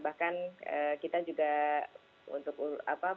bahkan kita juga untuk mencari penyelenggaraan covid sembilan belas